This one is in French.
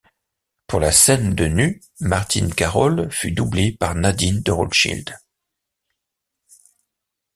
Pour la scène de nu, Martine Carol fut doublée par Nadine de Rothschild.